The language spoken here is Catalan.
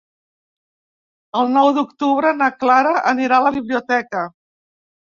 El nou d'octubre na Clara anirà a la biblioteca.